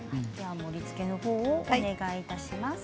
盛りつけのほうをお願いします。